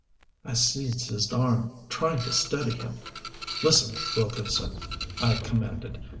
I seized his arm, trying to steady him. "Listen, Wilkson," I commanded.